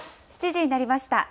７時になりました。